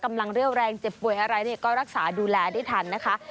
เรี่ยวแรงเจ็บป่วยอะไรเนี่ยก็รักษาดูแลได้ทันนะคะ